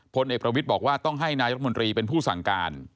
พลเอกประวิทย์บอกว่าต้องให้นายรัฐมนตรีเป็นผู้สั่งการ